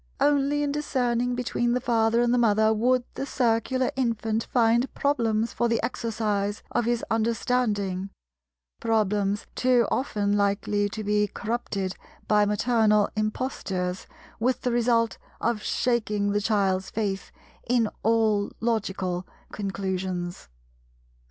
Only in discerning between the Father and the Mother would the Circular infant find problems for the exercise of his understanding—problems too often likely to be corrupted by maternal impostures with the result of shaking the child's faith in all logical conclusions.